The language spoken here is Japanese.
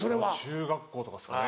中学校とかですかね。